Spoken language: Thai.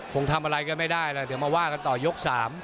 คงทำอะไรกันไม่ได้แล้วเดี๋ยวมาว่ากันต่อยก๓